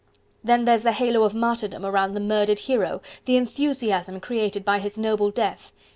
Then there's the halo of martyrdom around the murdered hero, the enthusiasm created by his noble death...